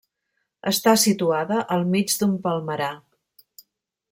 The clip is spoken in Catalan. Està situada al mig d'un palmerar.